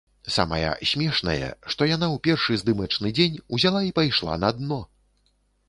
Самая смешнае, што яна ў першы здымачны дзень узяла і пайшла на дно.